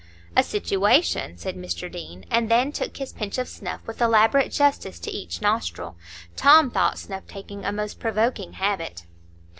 "A situation?" said Mr Deane, and then took his pinch of snuff with elaborate justice to each nostril. Tom thought snuff taking a most provoking habit.